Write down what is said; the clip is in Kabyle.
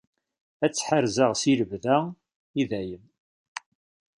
Ad tt-ḥerzeɣ si lebda, i dayem.